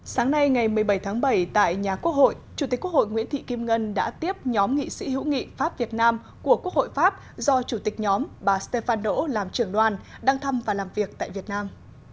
sáng nay ngày một mươi bảy tháng bảy tại nhà quốc hội chủ tịch quốc hội nguyễn thị kim ngân đã tiếp nhóm nghị sĩ hữu nghị pháp việt nam của quốc hội pháp do chủ tịch nhóm bà stéphane đỗ làm trưởng đoàn đang thăm và làm việc tại việt nam